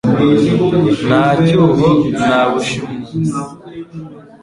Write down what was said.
nta cyuho nta bushimusi